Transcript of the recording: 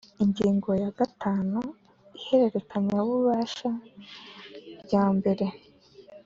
Ingingo ya gatanu Ihererekanya bubasha rya mbere